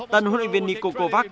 tân huyện viên nikol kovac